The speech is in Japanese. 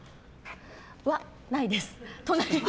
ないです。